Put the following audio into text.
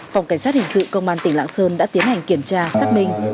phòng cảnh sát hình sự công an tỉnh lạng sơn đã tiến hành kiểm tra xác minh